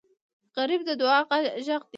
غریب د دعا غږ دی